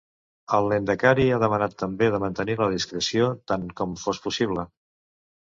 El lehendakari ha demanat també de mantenir la discreció tant com fos possible.